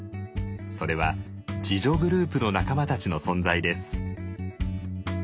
それは自助グループの仲間たちの存在です。